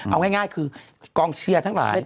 เอาง่ายคือกองเชียร์ทั้งหลาย